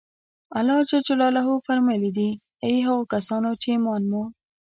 الله جل جلاله فرمایلي دي: اې هغه کسانو چې ایمان مو